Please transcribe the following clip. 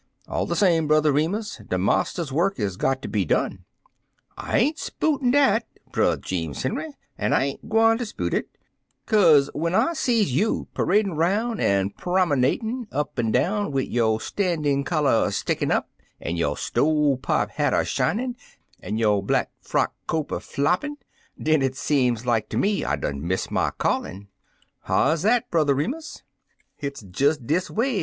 *' All the same, Brother Remus, the Mars ter's work is got to be done/* "I ain't 'sputin* dat, Brer Jeems Heniy, an' I ain't gwineter 'spute it — kazc when I sees you peradin' 'roun', an' promemadin' up an' down wid yo' stan'in' collar er stick in' up, an' yo' stove pipe hat er shinin', an' yo' black frock coat er floppin', den it seem like ter me I done miss my callin*." " How is that. Brother Remus ?"Hit's des dis away.